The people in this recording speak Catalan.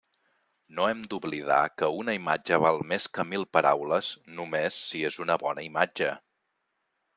No hem d'oblidar que «una imatge val més que mil paraules» només si és una bona imatge.